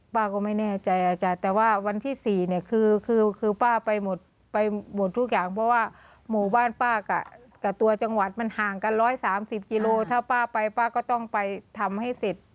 ป้าก็ไม่แน่ใจอาจารย์แต่ว่าวันที่๔เนี่ยคือคือป้าไปหมดไปหมดทุกอย่างเพราะว่าหมู่บ้านป้ากับตัวจังหวัดมันห่างกัน๑๓๐กิโลถ้าป้าไปป้าก็ต้องไปทำให้เสร็จ